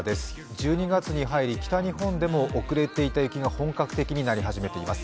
１２月に入り、北日本でも遅れていた雪が本格的になり始めています